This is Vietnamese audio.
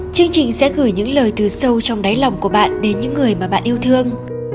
chương trình sẽ gửi những lời từ sâu trong đáy lòng của bạn đến những người mà bạn yêu thương